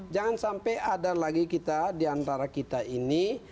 jangan sampai ada lagi kita di antara kita ini